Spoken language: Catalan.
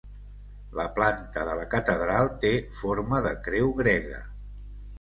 La planta de la catedral té forma de creu grega.